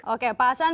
oke pak hasan